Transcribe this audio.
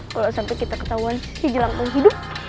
kalau sampai kita ketahuan si jelangkau hidup